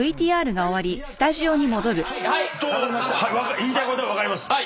言いたいことは分かります。